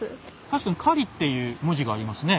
確かに「狩」っていう文字がありますね。